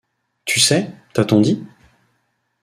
Tu sais, t’a-t-on dit ?